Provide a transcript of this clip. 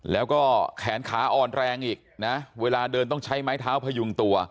แล้วก็แขนขาอ่อนแรงอีกนะเวลาเดินต้องใช้ไม้เท้าพยุงตัว